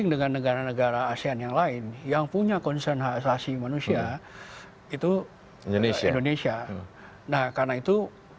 dengan negara negara asean yang lain yang punya concern hak asasi manusia itu indonesia nah karena itu